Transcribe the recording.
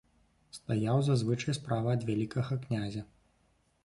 Стаяў зазвычай справа ад вялікага князя.